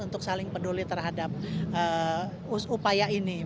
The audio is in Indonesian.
untuk saling peduli terhadap upaya ini